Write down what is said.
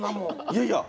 いやいや！